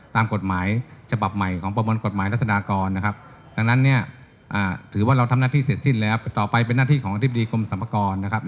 ตามกฎหมายฉบับใหม่ของปปกทศกนะครับ